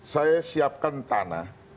saya siapkan tanah